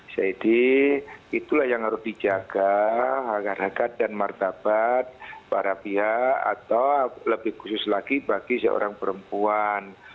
jadi itulah yang harus dijaga hak hakat dan martabat para pihak atau lebih khusus lagi bagi seorang perempuan